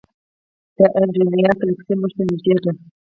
د انډرومیډا ګلکسي موږ ته نږدې ده.